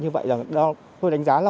như vậy là tôi đánh giá là